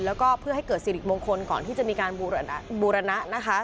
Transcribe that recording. แล้วก็เพื่อให้เกิดสิริมงคลก่อนที่จะมีการบูรณะนะคะ